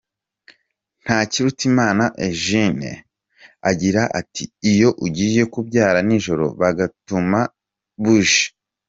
Ntakirutimana Eugenie agira ati “Iyo ugiye kubyara nijoro bagutuma buji.